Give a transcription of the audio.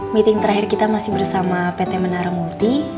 meeting terakhir kita masih bersama pt menara multi